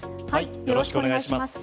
よろしくお願いします。